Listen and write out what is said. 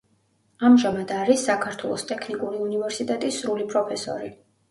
ამჟამად არის საქართველოს ტექნიკური უნივერსიტეტის სრული პროფესორი.